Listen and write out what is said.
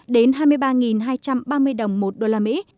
đến hai mươi ba hai trăm ba mươi đồng một đô la mỹ